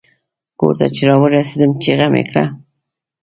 کور ته چې را ورسیدم چیغه مې کړه.